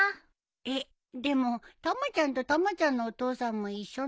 えっでもたまちゃんとたまちゃんのお父さんも一緒なんだけど。